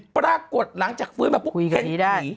ปรากฏหลังจากฟื้นมาถึงเห็นผี